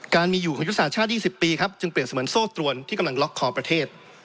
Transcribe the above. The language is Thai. มีอยู่ของยุทธศาสตร์ชาติ๒๐ปีครับจึงเปรียบเสมือนโซ่ตรวนที่กำลังล็อกคอประเทศ